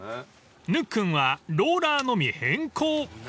［ぬっくんはローラーのみ変更］